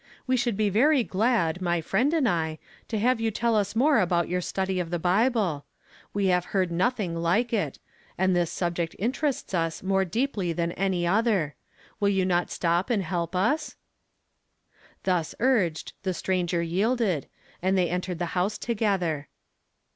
We should be very glad, my friend and I, "HE HATH SWALLOWED Up DEATH." 333 to have you tell us more about your study of the .We; we have heart nothing like it, and this s .1, ect interests us more deeply than any other. W 111 you not stop and help us ?" Thus u^ed, the stranger yielded, and they en tered the house together.